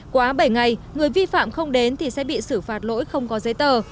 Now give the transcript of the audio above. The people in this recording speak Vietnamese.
quá bảy ngày người vi phạm không đến thì sẽ bị xử phạt lỗi không có giấy tờ